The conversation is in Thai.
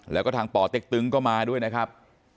แล้วก็ทางป่อเต็กตึงก็มาด้วยนะครับ